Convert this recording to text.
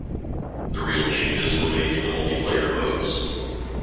The real changes were made to the multiplayer modes.